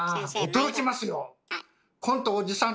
驚きますよ！